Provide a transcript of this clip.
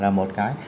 là một cái